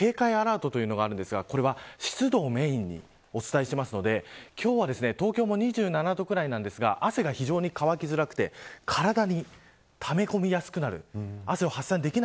熱中症の警戒アラートというのがあるんですがこれは湿度をメーンにお伝えしているので今日は東京は２７度ぐらいなんですが汗が非常に乾きづらくて体にため込みやすくなる。